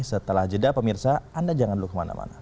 setelah jeda pemirsa anda jangan lupa kemana mana